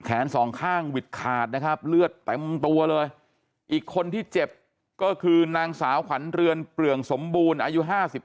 สองข้างหวิดขาดนะครับเลือดเต็มตัวเลยอีกคนที่เจ็บก็คือนางสาวขวัญเรือนเปลืองสมบูรณ์อายุ๕๕